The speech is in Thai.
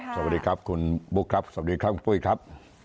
สวัสดีครับคุณบุ๊คครับสวัสดีครับคุณปุ้ยครับ